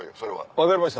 分かりました。